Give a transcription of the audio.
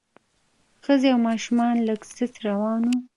ښځې او ماشومان لږ سست روان وو.